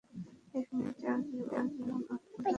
এক মিনিট আগেও ও কেমন অদ্ভুত আচরণ করছিল!